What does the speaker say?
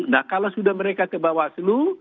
nah kalau sudah mereka ke bawaslu